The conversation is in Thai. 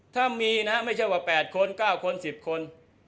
ถ้ามีนะไม่ใช่ว่า๘คน๙คน๑๐คน